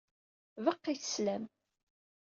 Beqqit sslam.